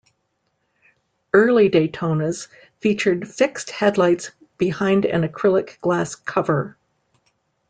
Early Daytonas featured fixed headlights behind an acrylic glass cover.